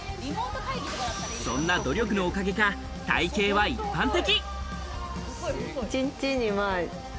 そんな努力のおかげか、体型は一般的。